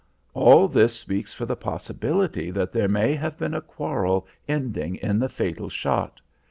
"All this speaks for the possibility that there may have been a quarrel ending in the fatal shot.